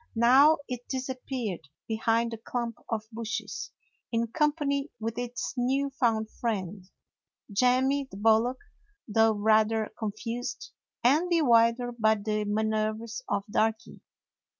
Now it disappeared behind the clump of bushes, in company with its new found friend, Jemmy the bullock, though rather confused and bewildered by the manoeuvers of Darky.